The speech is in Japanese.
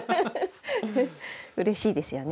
うれしいですよね。